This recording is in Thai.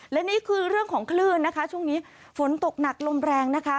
และนี่คือเรื่องของคลื่นนะคะช่วงนี้ฝนตกหนักลมแรงนะคะ